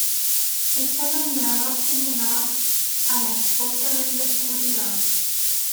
Está nombrado en honor a la esposa del descubridor.